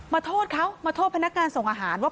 โทษเขามาโทษพนักงานส่งอาหารว่า